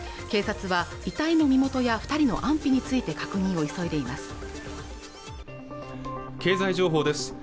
警察は遺体の身元や二人の安否について確認を急いでいます